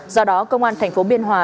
do đó công an tp biên hòa